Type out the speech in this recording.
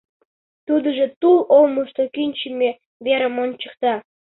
Тудыжо тул олмышто кӱнчымӧ верым ончыкта.